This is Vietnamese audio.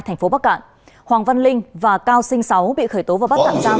thành phố bắc cạn hoàng văn linh và cao sinh sáu bị khởi tố và bắt tạm giam